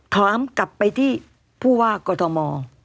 พร้อมกลับไปที่ผู้ว่ากฐม